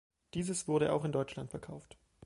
Dieses wurde auch in Deutschland verkauft.